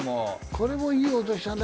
これもいい音したね。